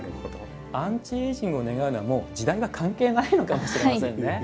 アンチエイジングを願うのは時代は関係ないかもしれないですね。